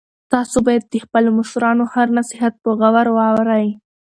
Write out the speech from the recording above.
تاسو باید د خپلو مشرانو هر نصیحت په غور واورئ.